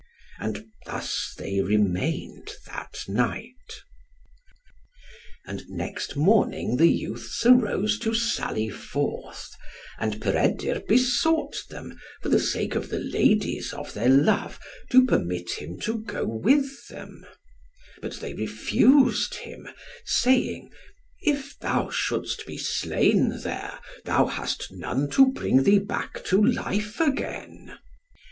And thus they remained that night. And next morning the youths arose to sally forth, and Peredur besought them, for the sake of the ladies of their love, to permit him to go with them; but they refused him, saying, "If thou shouldst be slain there, thou hast none to bring thee back to life again."